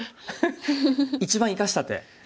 一番生かした手。